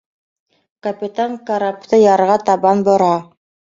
Капитан карапты ярға табан бора.